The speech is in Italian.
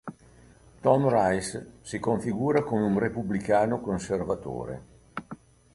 Tom Rice si configura come un repubblicano conservatore.